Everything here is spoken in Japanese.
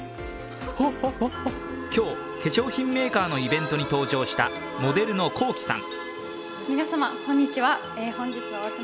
今日、化粧品メーカーのイベントに登場したモデルのＫｏｋｉ，さん。